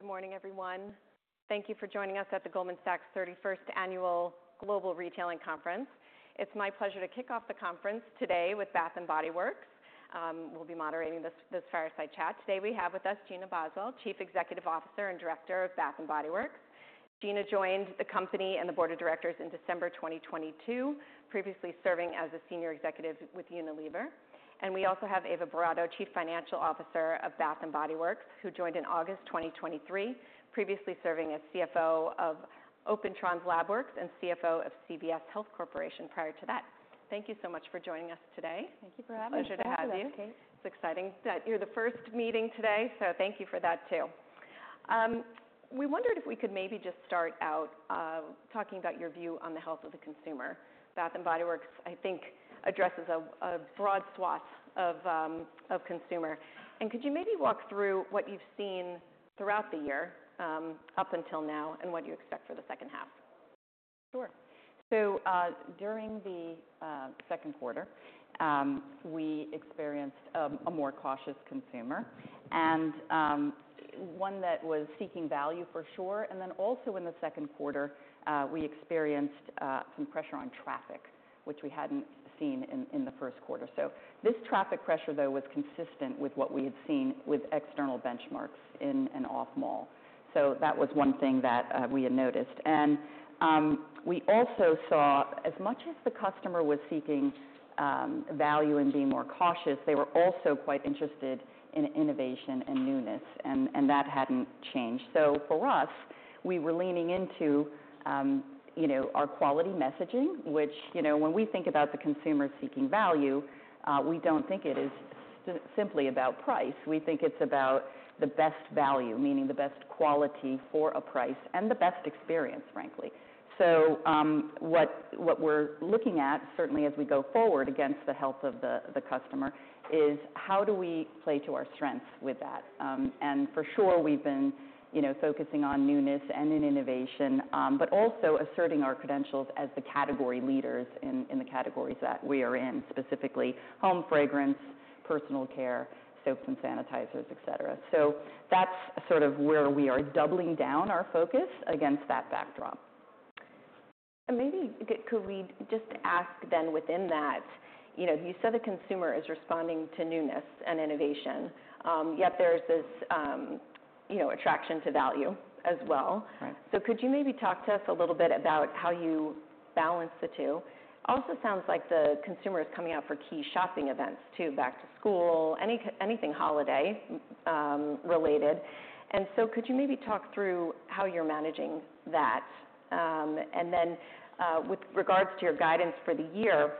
Good morning, everyone. Thank you for joining us at the Goldman Sachs 31st Annual Global Retailing Conference. It's my pleasure to kick off the conference today with Bath & Body Works. We'll be moderating this fireside chat. Today, we have with us Gina Boswell, Chief Executive Officer and Director of Bath & Body Works. Gina joined the company and the board of directors in December 2022, previously serving as a senior executive with Unilever. We also have Eva Boratto, Chief Financial Officer of Bath & Body Works, who joined in August 2023, previously serving as CFO of Opentrons Labworks and CFO of CVS Health Corporation prior to that. Thank you so much for joining us today. Thank you for having us. Pleasure to have you. Thank you, Kate. It's exciting that you're the first meeting today, so thank you for that, too. We wondered if we could maybe just start out talking about your view on the health of the consumer. Bath & Body Works, I think, addresses a broad swath of consumer, and could you maybe walk through what you've seen throughout the year, up until now, and what you expect for the second half? Sure. So, during the second quarter, we experienced a more cautious consumer and one that was seeking value for sure. And then also in the second quarter, we experienced some pressure on traffic, which we hadn't seen in the first quarter. So this traffic pressure, though, was consistent with what we had seen with external benchmarks in an off mall. So that was one thing that we had noticed. And we also saw as much as the customer was seeking value and being more cautious, they were also quite interested in innovation and newness, and that hadn't changed. So for us, we were leaning into you know, our quality messaging, which you know, when we think about the consumer seeking value, we don't think it is simply about price. We think it's about the best value, meaning the best quality for a price and the best experience, frankly. So, what we're looking at, certainly as we go forward against the health of the customer, is: How do we play to our strengths with that? And for sure, we've been, you know, focusing on newness and in innovation, but also asserting our credentials as the category leaders in the categories that we are in, specifically home fragrance, personal care, soaps and sanitizers, et cetera. So that's sort of where we are doubling down our focus against that backdrop. And maybe could we just ask then, within that, you know, you said the consumer is responding to newness and innovation, yet there's this, you know, attraction to value as well? Right. So could you maybe talk to us a little bit about how you balance the two? Also, sounds like the consumer is coming out for key shopping events, too, back to school, anything holiday related. And so could you maybe talk through how you're managing that? And then, with regards to your guidance for the year,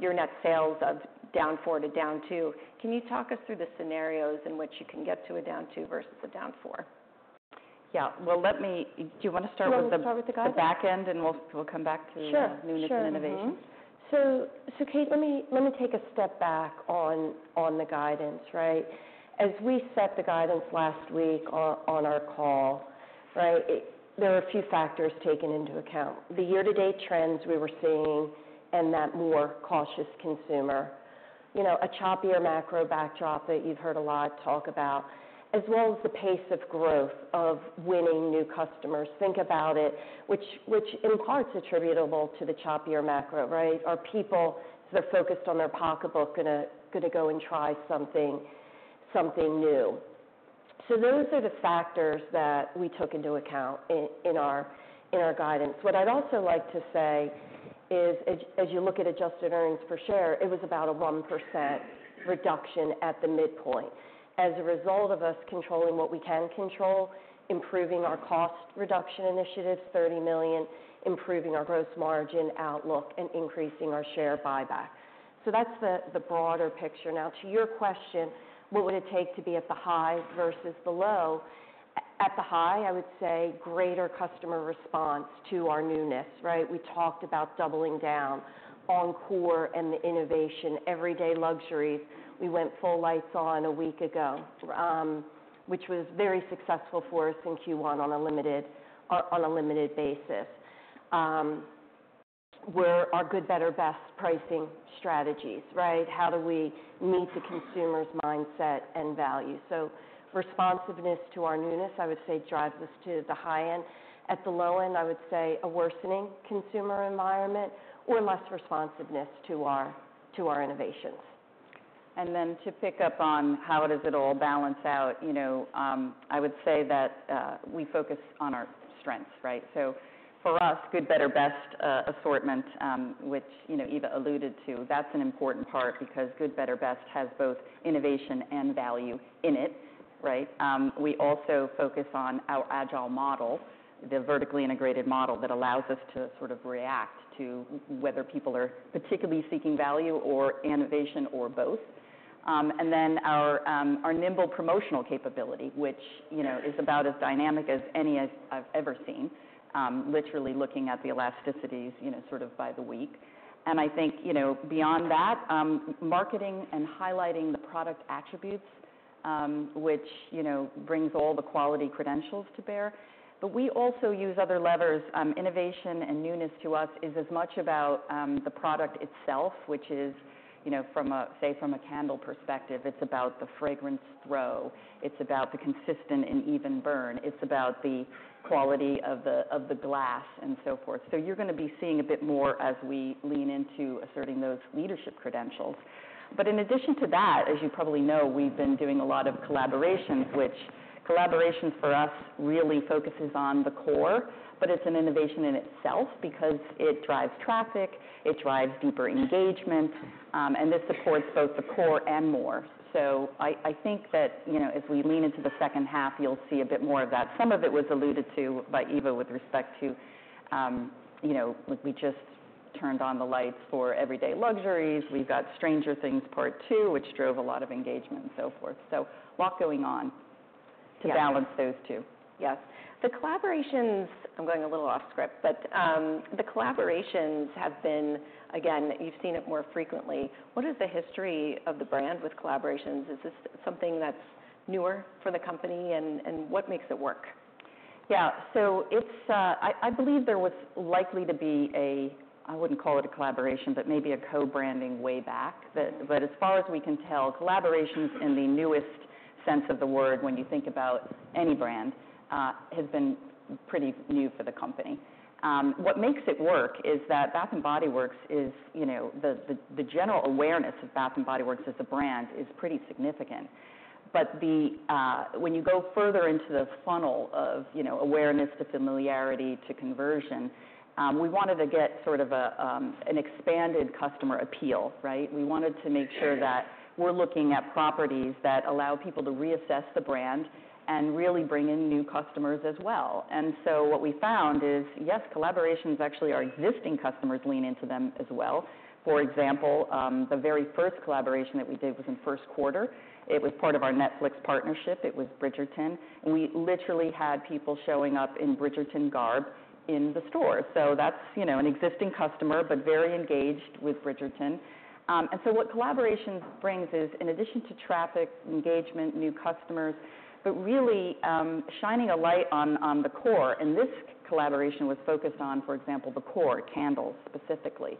your net sales of down four to down two, can you talk us through the scenarios in which you can get to a down two versus a down four? Yeah. Well, let's start with the guidance. the back end, and we'll come back to- Sure. newness and innovation. Mm-hmm. So, Kate, let me take a step back on the guidance, right? As we set the guidance last week on our call, right? There were a few factors taken into account. The year-to-date trends we were seeing and that more cautious consumer, you know, a choppier macro backdrop that you've heard a lot of talk about, as well as the pace of growth of winning new customers. Think about it, which in part is attributable to the choppier macro, right? Are people, they're focused on their pocketbook, gonna go and try something new? Those are the factors that we took into account in our guidance. What I'd also like to say is, as you look at adjusted earnings per share, it was about a 1% reduction at the midpoint. As a result of us controlling what we can control, improving our cost reduction initiatives, $30 million, improving our gross margin outlook, and increasing our share buyback. So that's the broader picture. Now, to your question, what would it take to be at the high versus the low? At the high, I would say greater customer response to our newness, right? We talked about doubling down on core and the innovation, Everyday Luxuries. We went full lights on a week ago, which was very successful for us in Q1 on a limited basis. Where our good, better, best pricing strategies, right? How do we meet the consumer's mindset and value? So responsiveness to our newness, I would say, drives us to the high end. At the low end, I would say a worsening consumer environment or less responsiveness to our innovations. And then to pick up on how does it all balance out, you know, I would say that we focus on our strengths, right? So for us, good, better, best assortment, which, you know, Eva alluded to, that's an important part because good, better, best has both innovation and value in it, right? We also focus on our agile model, the vertically integrated model that allows us to sort of react to whether people are particularly seeking value or innovation, or both. And then our nimble promotional capability, which, you know, is about as dynamic as any I've ever seen, literally looking at the elasticities, you know, sort of by the week. And I think, you know, beyond that, marketing and highlighting the product attributes- ... which, you know, brings all the quality credentials to bear. But we also use other levers. Innovation and newness to us is as much about the product itself, which is, you know, from a candle perspective, it's about the fragrance throw, it's about the consistent and even burn, it's about the quality of the glass, and so forth. So you're gonna be seeing a bit more as we lean into asserting those leadership credentials. But in addition to that, as you probably know, we've been doing a lot of collaborations, which collaborations for us really focuses on the core, but it's an innovation in itself because it drives traffic, it drives deeper engagement, and this supports both the core and more. So I think that, you know, as we lean into the second half, you'll see a bit more of that. Some of it was alluded to by Eva with respect to, you know, like, we just turned on the lights for Everyday Luxuries. We've got Stranger Things Part Two, which drove a lot of engagement and so forth. So a lot going on. Yes to balance those two. Yes. The collaborations... I'm going a little off script, but, the collaborations have been, again, you've seen it more frequently. What is the history of the brand with collaborations? Is this something that's newer for the company, and what makes it work? Yeah. So it's. I believe there was likely to be a. I wouldn't call it a collaboration, but maybe a co-branding way back. But as far as we can tell, collaborations in the newest sense of the word, when you think about any brand, has been pretty new for the company. What makes it work is that Bath & Body Works is, you know, the general awareness of Bath & Body Works as a brand is pretty significant. But the, when you go further into the funnel of, you know, awareness to familiarity to conversion, we wanted to get sort of a, an expanded customer appeal, right? We wanted to make sure that we're looking at properties that allow people to reassess the brand and really bring in new customers as well. What we found is, yes, collaborations, actually, our existing customers lean into them as well. For example, the very first collaboration that we did was in the first quarter. It was part of our Netflix partnership. It was Bridgerton, and we literally had people showing up in Bridgerton garb in the store. That's, you know, an existing customer, but very engaged with Bridgerton. What collaborations brings is, in addition to traffic, engagement, new customers, but really, shining a light on the core, and this collaboration was focused on, for example, the core, candles, specifically.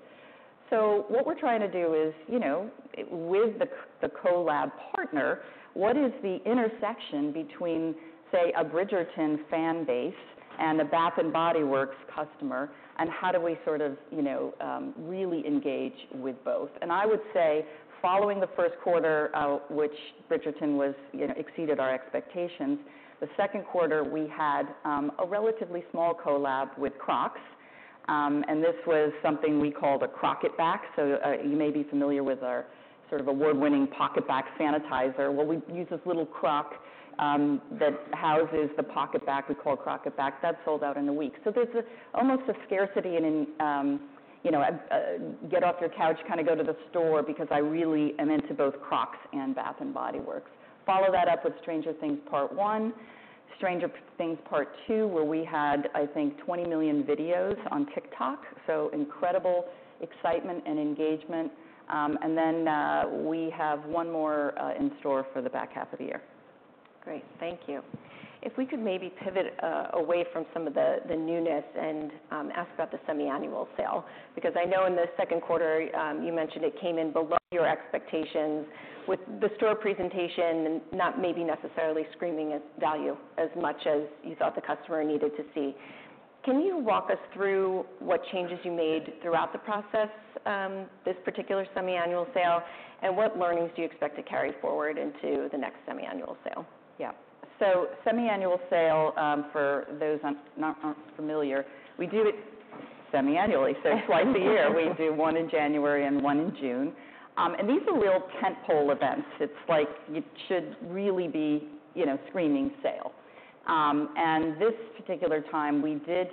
What we're trying to do is, you know, with the collab partner, what is the intersection between, say, a Bridgerton fan base and a Bath & Body Works customer, and how do we sort of, you know, really engage with both? And I would say, following the first quarter, which Bridgerton was, you know, exceeded our expectations, the second quarter, we had a relatively small collab with Crocs, and this was something we called a CrocketBac. So you may be familiar with our sort of award-winning PocketBac Sanitizer. Well, we use this little Croc that houses the PocketBac, we call CrocketBac. That sold out in a week. So there's almost a scarcity in, you know, get off your couch, kind of go to the store because I really am into both Crocs and Bath & Body Works. Follow that up with Stranger Things Part One, Stranger Things Part Two, where we had, I think, 20 million videos on TikTok, so incredible excitement and engagement. And then we have one more in store for the back half of the year. Great. Thank you. If we could maybe pivot away from some of the newness and, ask about the Semi-Annual Sale, because I know in the second quarter, you mentioned it came in below your expectations, with the store presentation not maybe necessarily screaming its value as much as you thought the customer needed to see. Can you walk us through what changes you made throughout the process, this particular Semi-Annual Sale, and what learnings do you expect to carry forward into the next Semi-Annual Sale? Yeah. So Semi-Annual Sale, for those not familiar, we do it semi-annually, so twice a year. We do one in January and one in June. And these are real tentpole events. It's like, you should really be, you know, screaming sale. And this particular time, we did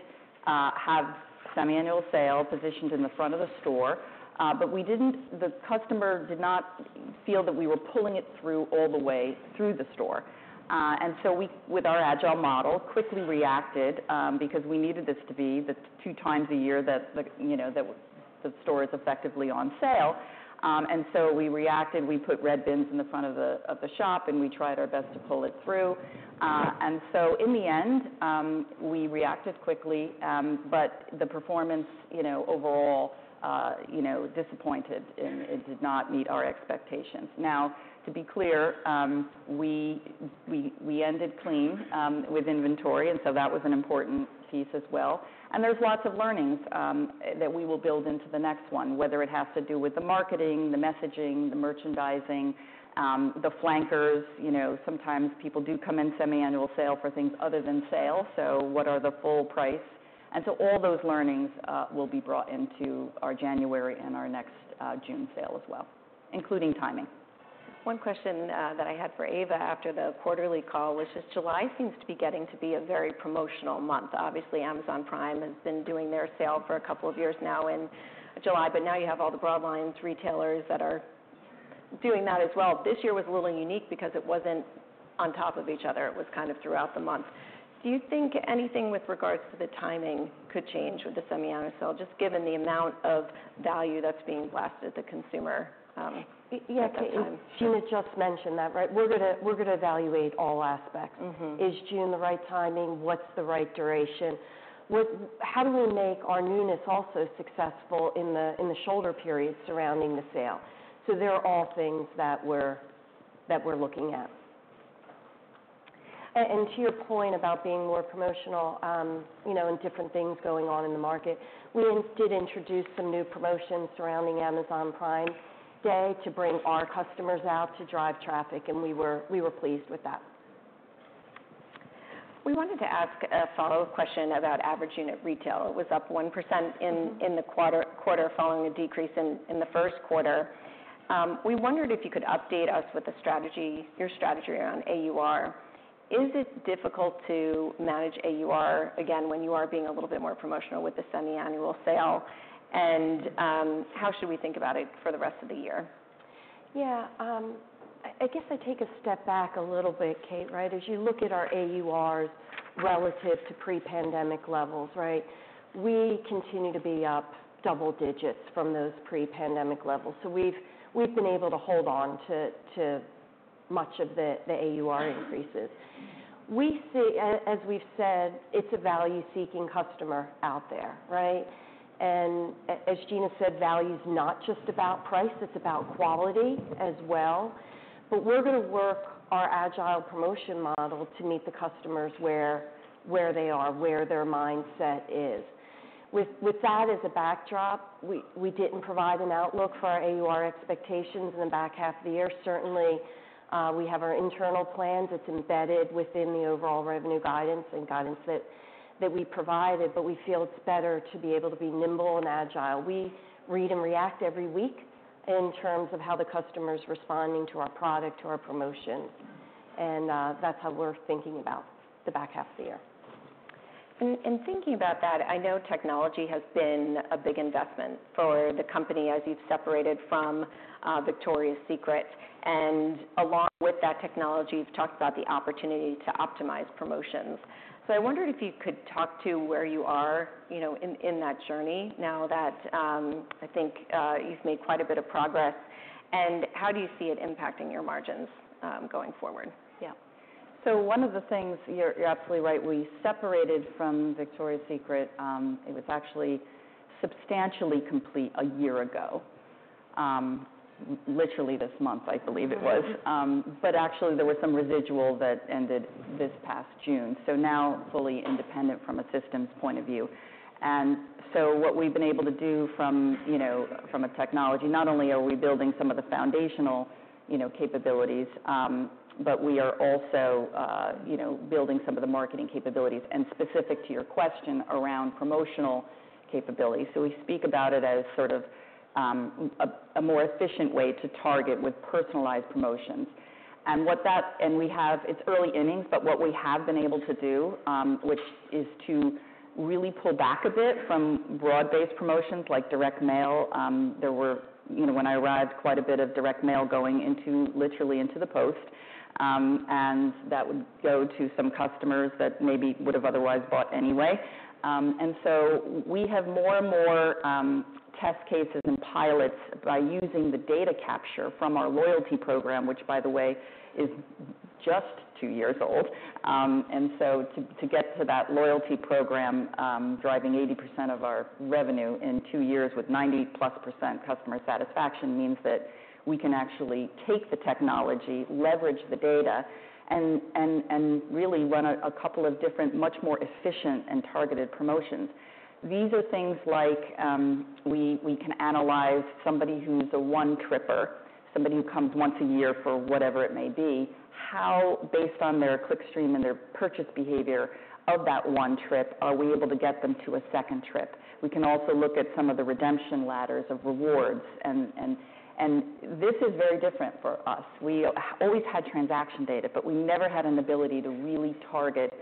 Semi-Annual Sale positioned in the front of the store, but we didn't—the customer did not feel that we were pulling it through all the way through the store. And so we, with our agile model, quickly reacted, because we needed this to be the two times a year that the, you know, the store is effectively on sale. And so we reacted. We put red bins in the front of the shop, and we tried our best to pull it through. And so in the end, we reacted quickly, but the performance, you know, overall, you know, disappointed, and it did not meet our expectations. Now, to be clear, we ended clean with inventory, and so that was an important piece as well. And there's lots of learnings that we will build into the next one, whether it has to do with the marketing, the messaging, the merchandising, the flankers. You know, sometimes people do come in Semi-Annual Sale for things other than sale, so what are the full price? And so all those learnings will be brought into our January and our next June sale as well, including timing. One question that I had for Eva after the quarterly call, which is July, seems to be getting to be a very promotional month. Obviously, Amazon Prime has been doing their sale for a couple of years now in July, but now you have all the broadline retailers that are doing that as well. This year was a little unique because it was kind of throughout the month. Do you think anything with regards to the timing could change with the Semi-Annual Sale, just given the amount of value that's being blasted at the consumer at that time? Yeah, Gina just mentioned that, right? We're gonna evaluate all aspects. Mm-hmm. Is June the right timing? What's the right duration? What-- How do we make our newness also successful in the shoulder periods surrounding the sale? So they're all things that we're looking at. To your point about being more promotional, you know, and different things going on in the market, we did introduce some new promotions surrounding Amazon Prime Day to bring our customers out to drive traffic, and we were pleased with that. We wanted to ask a follow-up question about average unit retail. It was up 1%. Mm-hmm. In the quarter following the decrease in the first quarter, we wondered if you could update us with the strategy, your strategy around AUR. Is it difficult to manage AUR, again, when you are being a little bit more promotional with the Semi-Annual Sale? And how should we think about it for the rest of the year? Yeah. I guess I take a step back a little bit, Kate, right? As you look at our AURs relative to pre-pandemic levels, right, we continue to be up double digits from those pre-pandemic levels. So we've been able to hold on to much of the AUR increases. We see... As we've said, it's a value-seeking customer out there, right? And as Gina said, value is not just about price, it's about quality as well. But we're gonna work our agile promotion model to meet the customers where they are, where their mindset is. With that as a backdrop, we didn't provide an outlook for our AUR expectations in the back half of the year. Certainly, we have our internal plans. It's embedded within the overall revenue guidance and guidance that we provided, but we feel it's better to be able to be nimble and agile. We read and react every week in terms of how the customer is responding to our product, to our promotions, and that's how we're thinking about the back half of the year. And thinking about that, I know technology has been a big investment for the company as you've separated from Victoria's Secret. And along with that technology, you've talked about the opportunity to optimize promotions. So I wonder if you could talk to where you are, you know, in that journey now that I think you've made quite a bit of progress, and how do you see it impacting your margins going forward? Yeah. So one of the things... You're absolutely right, we separated from Victoria's Secret. It was actually substantially complete a year ago. Literally this month, I believe it was. Mm-hmm. But actually, there were some residual that ended this past June. So now, fully independent from a systems point of view. And so what we've been able to do from, you know, from a technology, not only are we building some of the foundational, you know, capabilities, but we are also, you know, building some of the marketing capabilities, and specific to your question, around promotional capabilities. So we speak about it as sort of, a more efficient way to target with personalized promotions. And we have... It's early innings, but what we have been able to do, which is to really pull back a bit from broad-based promotions, like direct mail. There were, you know, when I arrived, quite a bit of direct mail going into literally into the post, and that would go to some customers that maybe would have otherwise bought anyway, so we have more and more test cases and pilots by using the data capture from our loyalty program, which, by the way, is just two years old, to get to that loyalty program driving 80% of our revenue in two years with 90%+ customer satisfaction means that we can actually take the technology, leverage the data, and really run a couple of different much more efficient and targeted promotions. These are things like, we can analyze somebody who's a one-tripper, somebody who comes once a year for whatever it may be, how based on their clickstream and their purchase behavior of that one trip, are we able to get them to a second trip? We can also look at some of the redemption ladders of rewards, and this is very different for us. We always had transaction data, but we never had an ability to really target,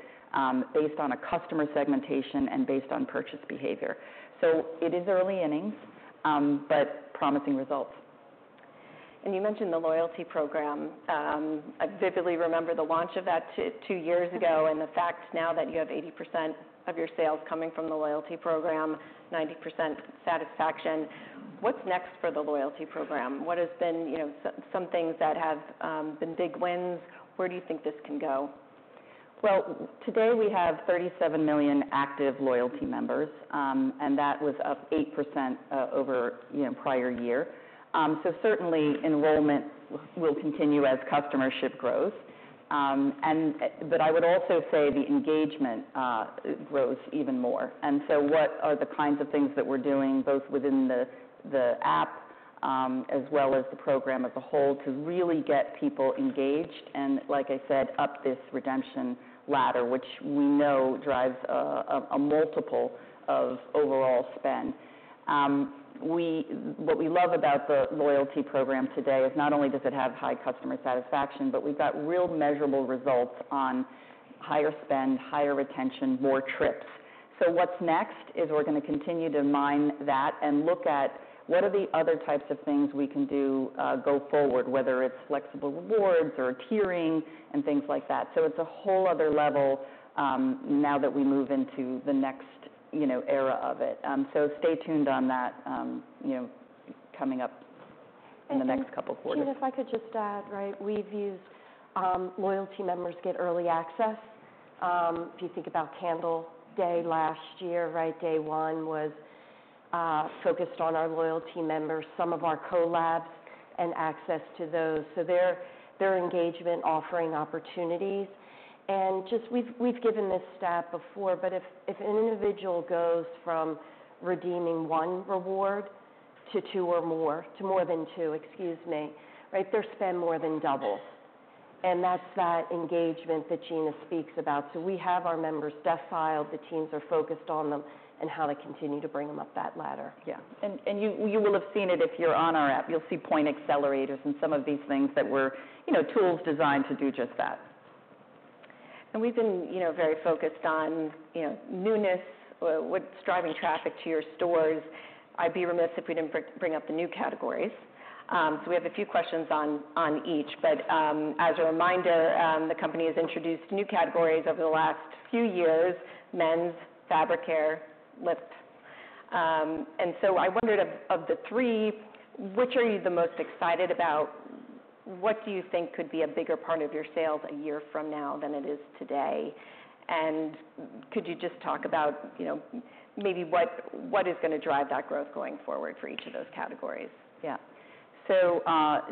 based on a customer segmentation and based on purchase behavior. So it is early innings, but promising results. You mentioned the loyalty program. I vividly remember the launch of that two years ago, and the fact now that you have 80% of your sales coming from the loyalty program, 90% satisfaction. What's next for the loyalty program? What has been, you know, some things that have been big wins? Where do you think this can go? Today we have 37 million active loyalty members, and that was up 8% over you know prior year. Certainly, enrollment will continue as customership grows, but I would also say the engagement grows even more. What are the kinds of things that we're doing, both within the app as well as the program as a whole, to really get people engaged and, like I said, up this redemption ladder, which we know drives a multiple of overall spend? What we love about the loyalty program today is not only does it have high customer satisfaction, but we've got real measurable results on higher spend, higher retention, more trips. So what's next is we're going to continue to mine that and look at what are the other types of things we can do, go forward, whether it's flexible rewards or tiering and things like that. So it's a whole other level, now that we move into the next, you know, era of it. So stay tuned on that, you know, coming up in the next couple of quarters. Gina, if I could just add, right? We've used loyalty members get early access. If you think about Candle Day last year, right, day one was focused on our loyalty members, some of our collabs and access to those. So their engagement offering opportunities. And just we've given this stat before, but if an individual goes from redeeming one reward to more than two, excuse me, right, their spend more than doubles, and that's that engagement that Gina speaks about. So we have our members profiled, the teams are focused on them, and how to continue to bring them up that ladder. Yeah. And you will have seen it if you're on our app. You'll see point accelerators and some of these things that were, you know, tools designed to do just that. And we've been, you know, very focused on, you know, newness, what's driving traffic to your stores. I'd be remiss if we didn't bring up the new categories. So we have a few questions on each. But, as a reminder, the company has introduced new categories over the last few years: men's, fabric care, lips. And so I wondered, of the three, which are you the most excited about? What do you think could be a bigger part of your sales a year from now than it is today? And could you just talk about, you know, maybe what is going to drive that growth going forward for each of those categories? Yeah. So,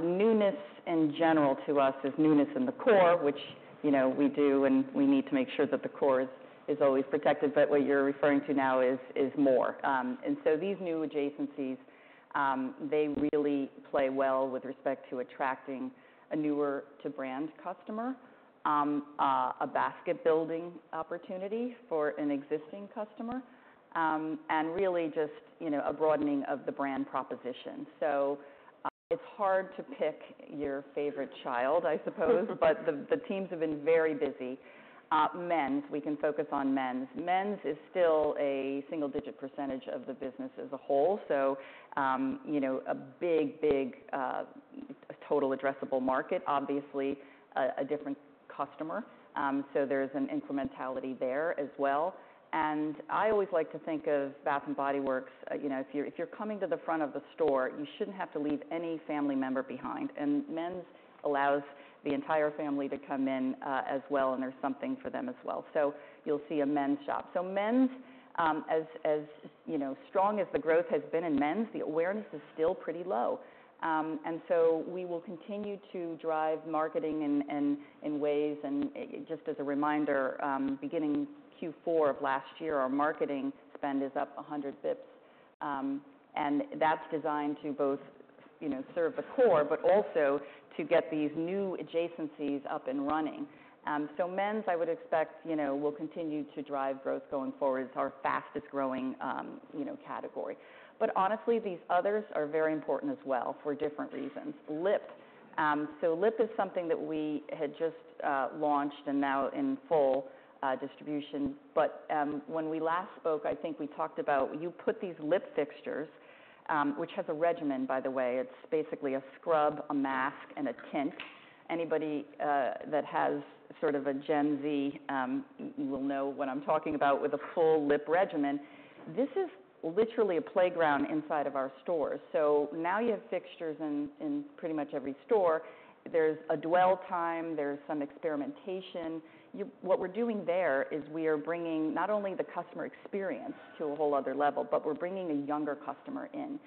newness in general to us is newness in the core, which, you know, we do, and we need to make sure that the core is always protected, but what you're referring to now is more. And so these new adjacencies, they really play well with respect to attracting a newer-to-brand customer, a basket-building opportunity for an existing customer, and really just, you know, a broadening of the brand proposition, so it's hard to pick your favorite child, I suppose, but the teams have been very busy. Men's, we can focus on men's. Men's is still a single-digit percent of the business as a whole, so, you know, a big, big total addressable market, obviously, a different customer, so there's an incrementality there as well. I always like to think of Bath & Body Works, you know, if you're coming to the front of the store, you shouldn't have to leave any family member behind, and men's allows the entire family to come in, as well, and there's something for them as well, so you'll see a men's shop, so men's, as you know, strong as the growth has been in men's, the awareness is still pretty low, and so we will continue to drive marketing in ways, and just as a reminder, beginning Q4 of last year, our marketing spend is up 100 basis points, and that's designed to both, you know, serve the core, but also to get these new adjacencies up and running, so men's, I would expect, you know, will continue to drive growth going forward. It's our fastest growing, you know, category. But honestly, these others are very important as well, for different reasons. Lip. So lip is something that we had just launched and now in full distribution. But, when we last spoke, I think we talked about you put these lip fixtures, which has a regimen, by the way. It's basically a scrub, a mask, and a tint. Anybody that has sort of a Gen Z will know what I'm talking about with a full lip regimen. This is literally a playground inside of our stores. So now you have fixtures in pretty much every store. There's a dwell time, there's some experimentation. What we're doing there is we are bringing not only the customer experience to a whole other level, but we're bringing a younger customer in.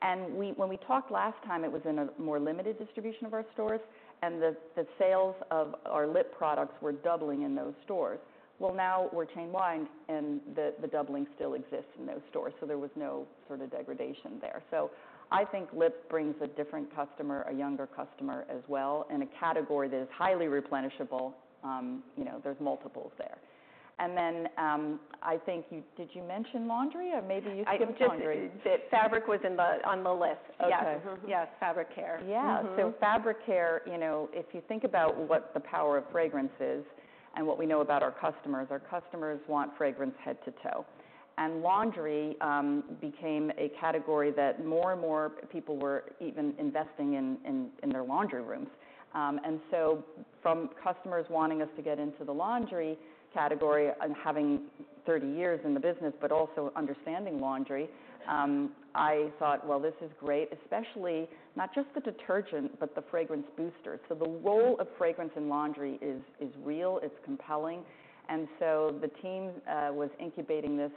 When we talked last time, it was in a more limited distribution of our stores, and the sales of our lip products were doubling in those stores. Well, now we're chain-wide, and the doubling still exists in those stores, so there was no sort of degradation there. So I think lip brings a different customer, a younger customer as well, and a category that is highly replenishable, you know, there's multiples there. And then, I think you... Did you mention laundry, or maybe you skipped laundry? The fabric was in the, on the list. Okay. Yeah. Mm-hmm. Yes, fabric care. Yeah. Mm-hmm. So fabric care, you know, if you think about what the power of fragrance is and what we know about our customers, our customers want fragrance head to toe. And laundry became a category that more and more people were even investing in their laundry rooms. And so from customers wanting us to get into the laundry category and having 30 years in the business, but also understanding laundry, I thought, well, this is great, especially not just the detergent, but the fragrance booster. Yeah. So the role of fragrance in laundry is real, it's compelling. And so the team was incubating this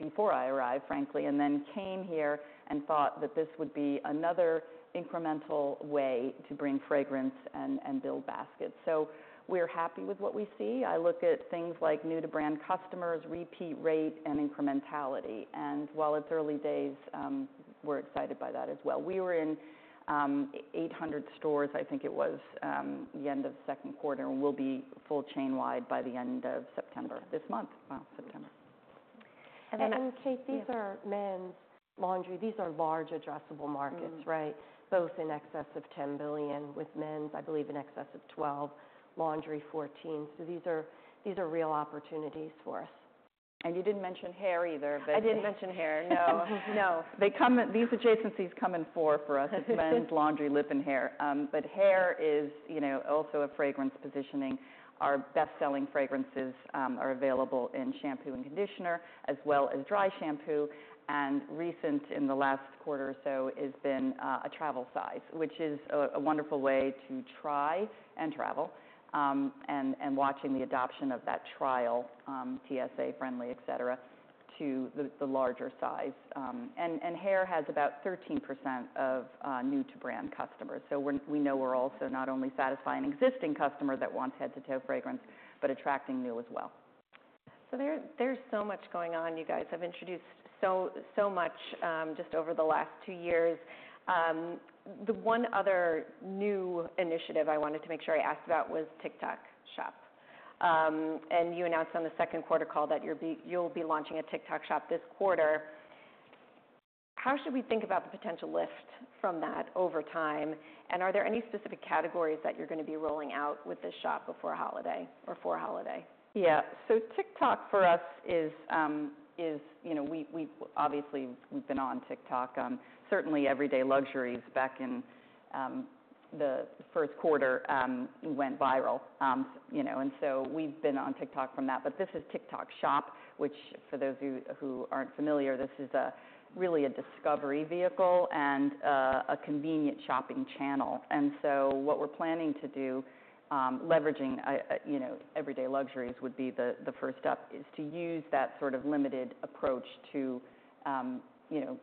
before I arrived, frankly, and then came here and thought that this would be another incremental way to bring fragrance and build baskets. So we're happy with what we see. I look at things like new-to-brand customers, repeat rate, and incrementality. And while it's early days, we're excited by that as well. We were in 800 stores, I think it was the end of the second quarter, and we'll be full chain-wide by the end of September. This month. Well, September.... And Kate, these are men's laundry. These are large addressable markets, right? Mm. Both in excess of 10 billion, with men's, I believe, in excess of 12 billion, laundry, 14 billion. So these are, these are real opportunities for us. You didn't mention hair either, but- I didn't mention hair, no. No. These adjacencies come in four for us: It's men's, laundry, lip, and hair. But hair is, you know, also a fragrance positioning. Our best-selling fragrances are available in shampoo and conditioner, as well as dry shampoo, and recently, in the last quarter or so, has been a travel size, which is a wonderful way to try and travel, and watching the adoption of that trial, TSA-friendly, et cetera, to the larger size. And hair has about 13% of new-to-brand customers. So we know we're also not only satisfying existing customer that wants head-to-toe fragrance, but attracting new as well. So, there's so much going on, you guys. You have introduced so, so much just over the last two years. The one other new initiative I wanted to make sure I asked about was TikTok Shop. You announced on the second quarter call that you'll be launching a TikTok Shop this quarter. How should we think about the potential lift from that over time, and are there any specific categories that you're going to be rolling out with this shop before holiday or for holiday? Yeah. So TikTok, for us, is, is, you know. We, we've obviously, we've been on TikTok. Certainly, Everyday Luxuries, back in, the first quarter, went viral. You know, and so we've been on TikTok from that. But this is TikTok Shop, which for those of you who aren't familiar, this is really a discovery vehicle and a convenient shopping channel. And so what we're planning to do, leveraging, you know, Everyday Luxuries would be the first up, is to use that sort of limited approach to, you know,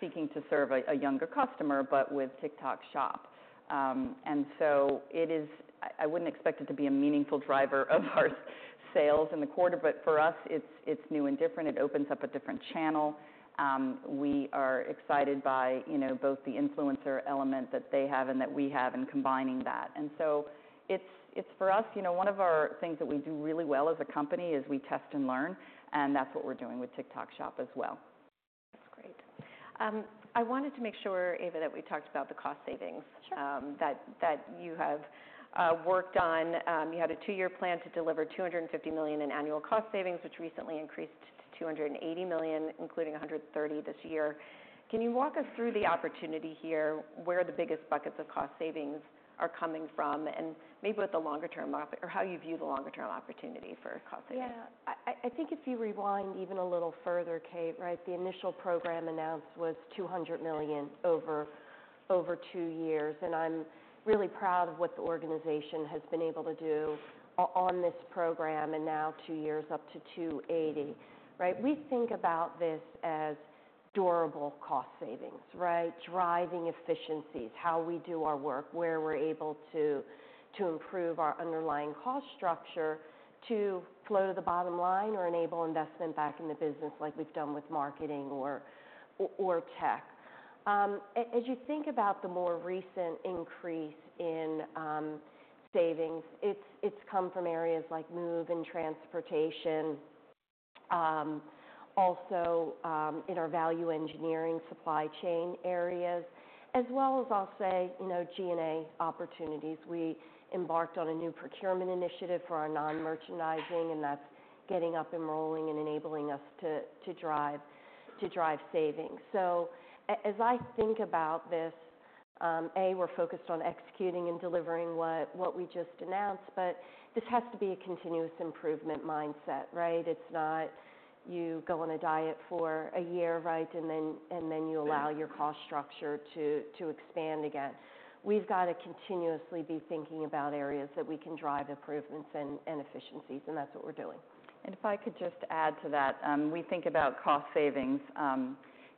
seeking to serve a younger customer, but with TikTok Shop. And so it is. I wouldn't expect it to be a meaningful driver of our sales in the quarter, but for us, it's new and different. It opens up a different channel. We are excited by, you know, both the influencer element that they have and that we have, and combining that. And so it's for us, you know, one of our things that we do really well as a company is we test and learn, and that's what we're doing with TikTok Shop as well. That's great. I wanted to make sure, Eva, that we talked about the cost savings- Sure... that you have worked on. You had a two-year plan to deliver $250 million in annual cost savings, which recently increased to $280 million, including $130 million this year. Can you walk us through the opportunity here, where the biggest buckets of cost savings are coming from, and maybe what the longer term or how you view the longer term opportunity for cost savings? Yeah. I think if you rewind even a little further, Kate, right, the initial program announced was $200 million over two years, and I'm really proud of what the organization has been able to do on this program, and now two years, up to $280 million, right? We think about this as durable cost savings, right? Driving efficiencies, how we do our work, where we're able to improve our underlying cost structure, to flow to the bottom line or enable investment back in the business like we've done with marketing or tech. As you think about the more recent increase in savings, it's come from areas like moves in transportation, also in our value engineering supply chain areas, as well as I'll say, you know, G&A opportunities. We embarked on a new procurement initiative for our non-merchandising, and that's getting up and rolling and enabling us to drive savings. So as I think about this, we're focused on executing and delivering what we just announced, but this has to be a continuous improvement mindset, right? It's not, you go on a diet for a year, right, and then you allow- Yeah... your cost structure to expand again. We've got to continuously be thinking about areas that we can drive improvements and efficiencies, and that's what we're doing. And if I could just add to that, we think about cost savings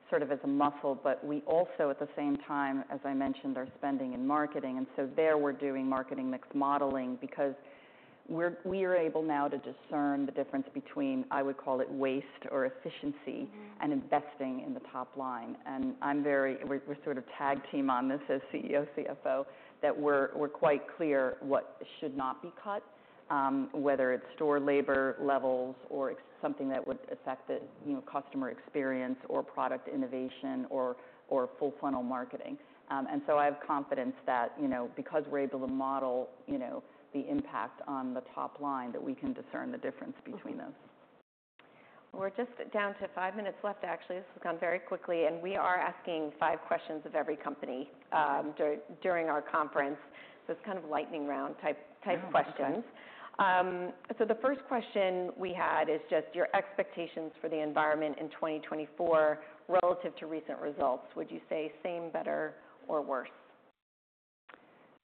sort of as a muscle, but we also, at the same time, as I mentioned, are spending in marketing. And so there, we're doing marketing mix modeling because we are able now to discern the difference between, I would call it, waste or efficiency. Mm... and investing in the top line. We're sort of tag-team on this as CEO, CFO, that we're quite clear what should not be cut, whether it's store labor levels or something that would affect the, you know, customer experience, or product innovation, or full funnel marketing. And so I have confidence that, you know, because we're able to model, you know, the impact on the top line, that we can discern the difference between those. Mm-hmm. We're just down to five minutes left. Actually, this has gone very quickly, and we are asking five questions of every company, during our conference. So it's kind of lightning round type questions. Oh, okay. So, the first question we had is just your expectations for the environment in 2024 relative to recent results. Would you say same, better, or worse?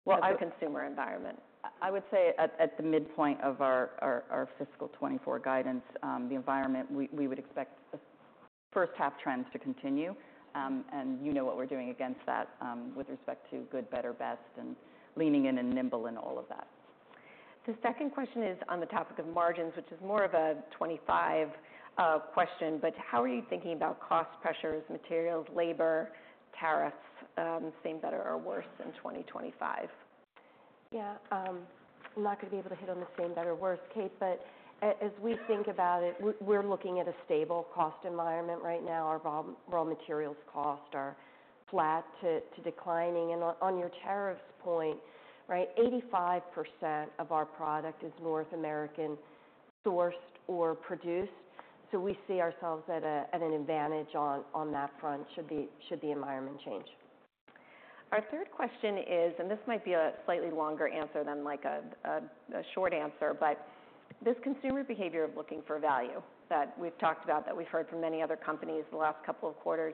Well, I- The consumer environment. I would say at the midpoint of our fiscal 2024 guidance, the environment we would expect the first half trends to continue, and you know what we're doing against that, with respect to good, better, best, and leaning in, and nimble, and all of that. The second question is on the topic of margins, which is more of a 2025 question, but how are you thinking about cost pressures, materials, labor, tariffs, same, better, or worse in 2025? ... Yeah, I'm not gonna be able to hit on the same better or worse, Kate. But as we think about it, we're looking at a stable cost environment right now. Our raw materials cost are flat to declining. And on your tariffs point, right, 85% of our product is North American sourced or produced, so we see ourselves at an advantage on that front, should the environment change. Our third question is, and this might be a slightly longer answer than like a short answer, but this consumer behavior of looking for value that we've talked about, that we've heard from many other companies the last couple of quarters,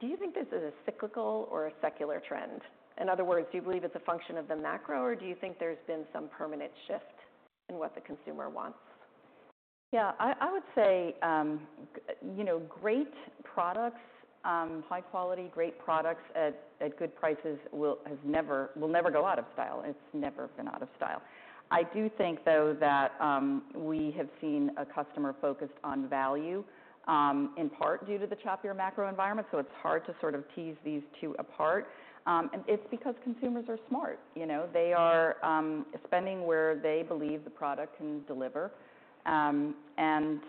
do you think this is a cyclical or a secular trend? In other words, do you believe it's a function of the macro, or do you think there's been some permanent shift in what the consumer wants? Yeah, I would say, you know, great products, high quality, great products at good prices has never, will never go out of style. It's never been out of style. I do think, though, that we have seen a customer focused on value, in part due to the choppier macro environment, so it's hard to sort of tease these two apart. And it's because consumers are smart. You know, they are spending where they believe the product can deliver. And...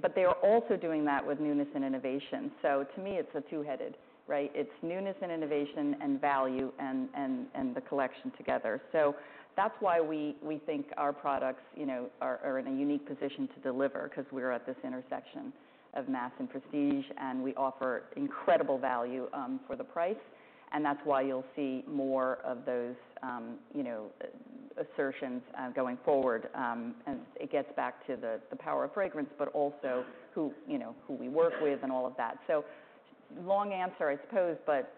but they are also doing that with newness and innovation. So to me, it's a two-headed, right? It's newness and innovation and value and the collection together. So that's why we think our products, you know, are in a unique position to deliver, 'cause we're at this intersection of mass and prestige, and we offer incredible value for the price. And that's why you'll see more of those, you know, assertions going forward. And it gets back to the power of fragrance, but also who, you know, we work with and all of that. So long answer, I suppose, but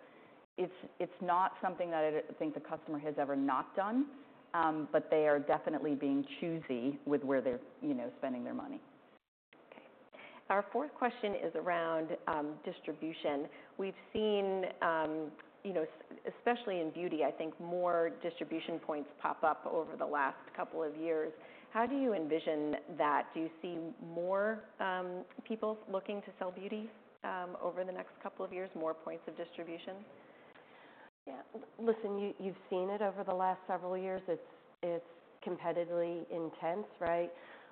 it's not something that I think the customer has ever not done, but they are definitely being choosy with where they're, you know, spending their money. Okay. Our fourth question is around distribution. We've seen, you know, especially in beauty, I think more distribution points pop up over the last couple of years. How do you envision that? Do you see more people looking to sell beauty over the next couple of years, more points of distribution? Yeah. Listen, you've seen it over the last several years. It's competitively intense, right?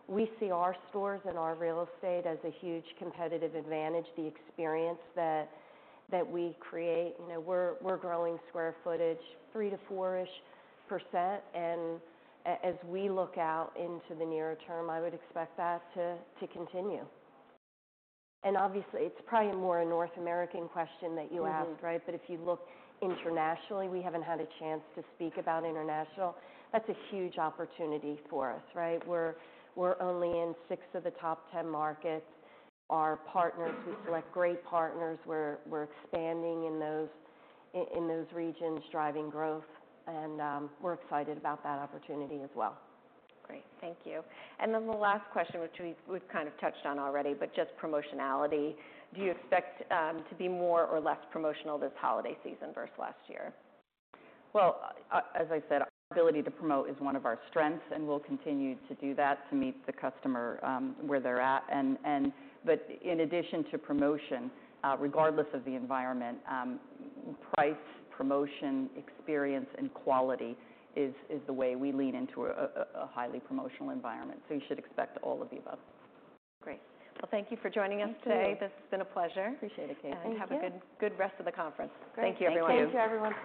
We see our stores and our real estate as a huge competitive advantage, the experience that we create. You know, we're growing square footage 3% to 4%-ish, and as we look out into the nearer term, I would expect that to continue. And obviously, it's probably more a North American question that you asked, right? Mm-hmm. But if you look internationally, we haven't had a chance to speak about international. That's a huge opportunity for us, right? We're only in six of the top 10 markets. Our partners, we select great partners. We're expanding in those regions, driving growth, and we're excited about that opportunity as well. Great. Thank you. And then the last question, which we, we've kind of touched on already, but just promotionality. Do you expect to be more or less promotional this holiday season versus last year? As I said, our ability to promote is one of our strengths, and we'll continue to do that to meet the customer where they're at. In addition to promotion, regardless of the environment, price, promotion, experience, and quality is the way we lean into a highly promotional environment. You should expect all of the above. Great. Well, thank you for joining us today. Thank you. It's been a pleasure. Appreciate it, Kate. Thank you. Have a good, good rest of the conference. Great. Thank you, everyone. Thank you, everyone.